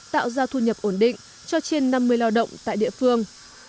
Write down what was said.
tạo ra thu nhập ổn định cho trên năm mươi lao động tại địa phương